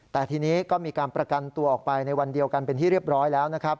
แต่ทีนี้ก็มีการประกันตัวออกไปในวันเดียวกันเป็นที่เรียบร้อยแล้วนะครับ